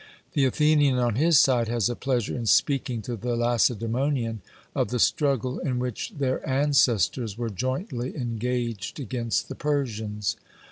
The Athenian on his side has a pleasure in speaking to the Lacedaemonian of the struggle in which their ancestors were jointly engaged against the Persians.